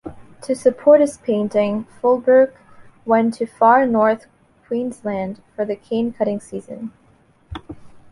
To support his painting, Fullbrook went to far North Queensland for the cane-cutting season.